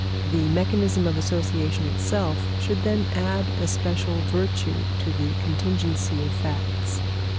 The mechanism of association itself should then add a special virtue to the contingency of facts.